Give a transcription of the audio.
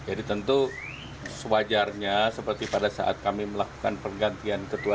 jadi tentu sewajarnya seperti pada saat kami melakukan pergantian